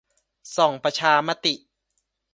ส่องประชามติ